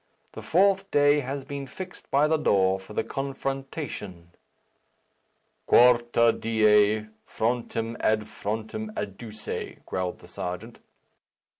The fourth day has been fixed by the law for the confrontation." "Quarta die, frontem ad frontem adduce," growled the Serjeant.